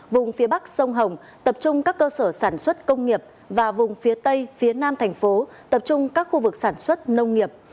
vùng phía bắc sông hồng tập trung các cơ sở sản xuất công nghiệp và vùng phía tây phía nam thành phố tập trung các khu vực sản xuất nông nghiệp